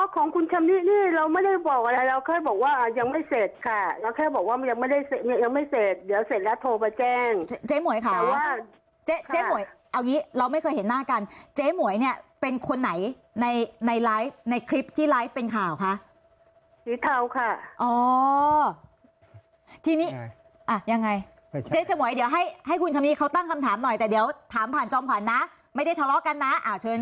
อ๋อของคุณชำนิเนี่ยเราไม่ได้บอกอะไรเราแค่บอกว่ายังไม่เสร็จค่ะเราแค่บอกว่ายังไม่เสร็จเดี๋ยวเสร็จแล้วโทรมาแจ้ง